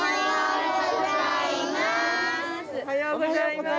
おはようございます。